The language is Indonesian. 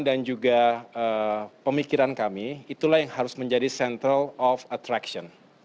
dan juga pemikiran kami itulah yang harus menjadi central of attraction